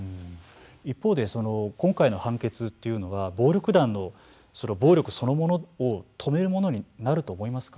一方で今回の判決というのは暴力団の暴力そのものを止めるものになると思いますか。